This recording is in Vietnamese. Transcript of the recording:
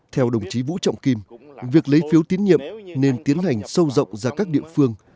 theo đồng chí vũ trọng kim việc lấy phiếu tín nhiệm nên tiến hành sâu rộng ra các địa phương